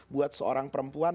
buat seorang perempuan